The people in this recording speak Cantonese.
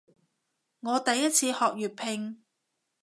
我第一次學粵拼